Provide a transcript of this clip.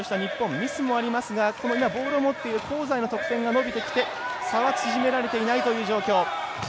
ミスもありますが香西の得点が伸びてきて差は縮められていないという状況。